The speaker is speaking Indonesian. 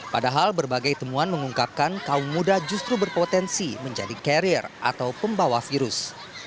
padahal berbagai temuan mengungkapkan kaum muda justru berpotensi menjadi carrier atau pembawa virus